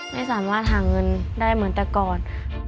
ไม่สามารถหาเงินได้เหมือนแต่ก่อน